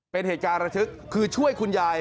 เป็นเหตุการณ์ระทึกคือช่วยคุณยาย